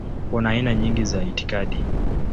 Kuna aina nyingi za itikadi.